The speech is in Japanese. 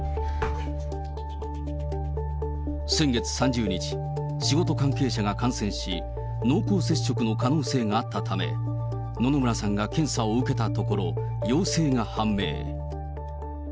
先月３０日、仕事関係者が感染し、濃厚接触の可能性があったため、野々村さんが検査を受けたところ、陽性が判明。